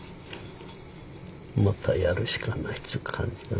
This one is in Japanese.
またやるしかないっちゅう感じかな。